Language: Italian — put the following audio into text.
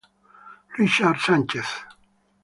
Richard Sánchez